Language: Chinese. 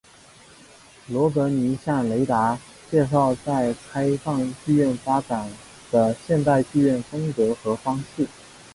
罗格尼向雷达介绍在开放剧院发展的现代剧院风格和方法。